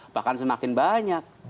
bahkan semakin banyak